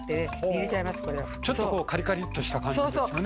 ちょっとカリカリッとした感じですよね。